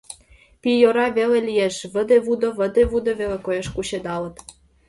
Пийора веле лиеш: выде-вудо, выде-вудо веле коеш — кучедалыт.